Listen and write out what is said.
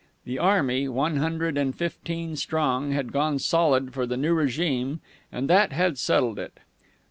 The army, one hundred and fifteen strong, had gone solid for the new regime, and that had settled it.